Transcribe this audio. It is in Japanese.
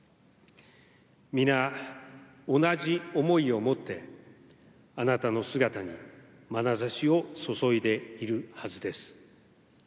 皆、同じ思いを持って、あなたの姿にまなざしを注いでいるはずです。